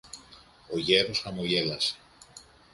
Ο γέρος χαμογέλασε